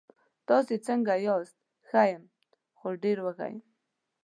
تاسې څنګه یاست؟ ښه یم، خو ډېر وږی یم.